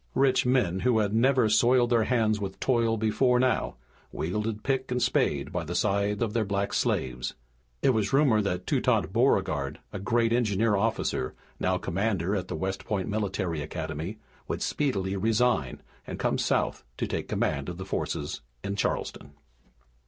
Rich men, who had never soiled their hands with toil before now, wielded pick and spade by the side of their black slaves. And it was rumored that Toutant Beauregard, a great engineer officer, now commander at the West Point Military Academy, would speedily resign, and come south to take command of the forces in Charleston.